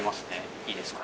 いいですか？